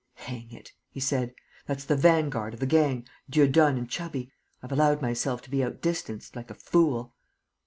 "Hang it!" he said. "That's the vanguard of the gang, Dieudonne and Chubby. I've allowed myself to be out distanced, like a fool."